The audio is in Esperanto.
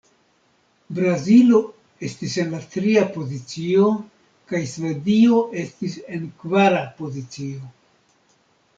Brazilo estis en tria pozicio, kaj Svedio estis en kvara pozicio.